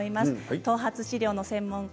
頭髪治療の専門家